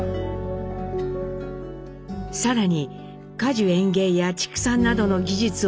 さらに果樹園芸や畜産などの技術を学び